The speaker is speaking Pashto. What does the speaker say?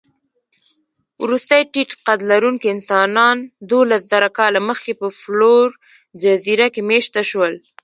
وروستي ټيټقدلرونکي انسانان دوولسزره کاله مخکې په فلور جزیره کې مېشته شول.